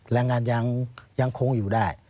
แรงงานยังคงอยู่ได้